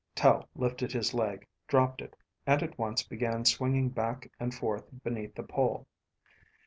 Tel lifted his leg, dropped it, and at once began swinging back and forth beneath the pole.